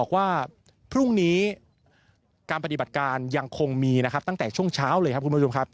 การปฏิบัติการยังคงมีตั้งแต่ช่วงเช้าเลยครับคุณผู้ชมครับ